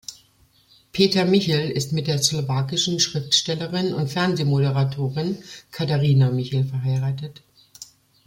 Peter Michel ist mit der slowakischen Schriftstellerin und Fernsehmoderatorin Katarina Michel verheiratet.